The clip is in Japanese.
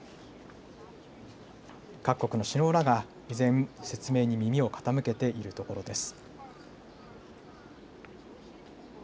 各国の首脳らが依然、説明に耳を傾けているところです。